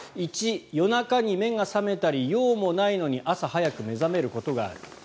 １、夜中に目が覚めたり用もないのに朝早く目覚めることがある。